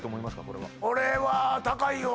これは高いよ